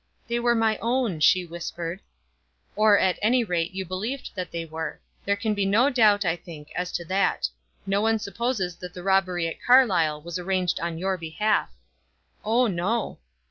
"They were my own," she whispered. "Or, at any rate, you believed that they were. There can be no doubt, I think, as to that. No one supposes that the robbery at Carlisle was arranged on your behalf." "Oh, no."